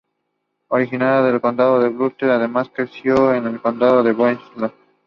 Originaria del Condado de Butler, Alabama, creció en el Condado de Baldwin, Alabama.